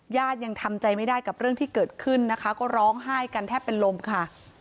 ยังทำใจไม่ได้กับเรื่องที่เกิดขึ้นนะคะก็ร้องไห้กันแทบเป็นลมค่ะ